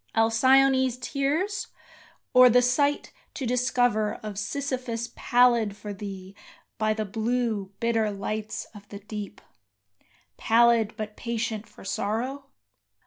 Alcyone's tears, or the sight to discover Of Sisyphus pallid for thee by the blue, bitter lights of the deep Pallid, but patient for sorrow?